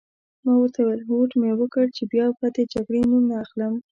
ما ورته وویل: هوډ مي وکړ چي بیا به د جګړې نوم نه اخلم.